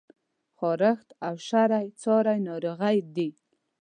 خارښت او شری څاری ناروغی دي؟